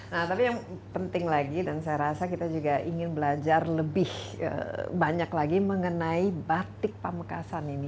nah tapi yang penting lagi dan saya rasa kita juga ingin belajar lebih banyak lagi mengenai batik pamekasan ini